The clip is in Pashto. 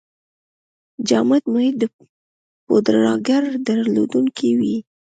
جامد محیط د پوډراګر درلودونکی وي.